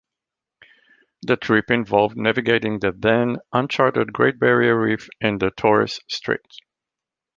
The trip involved navigating the then uncharted Great Barrier Reef and the Torres Straits.